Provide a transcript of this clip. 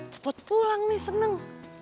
cepet pulang nih seneng